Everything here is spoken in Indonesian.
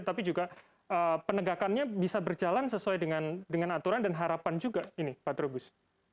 tapi juga penegakannya bisa berjalan sesuai dengan aturan dan harapan juga ini pak trubus